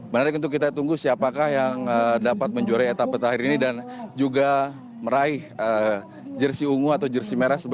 menarik untuk kita tunggu siapakah yang dapat menjuarai etapa terakhir ini dan juga meraih jersi ungu atau jersi merah